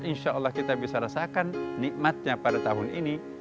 insya allah kita bisa rasakan nikmatnya pada tahun ini